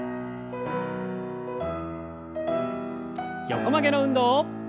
横曲げの運動。